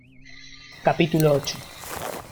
capítulo ocho.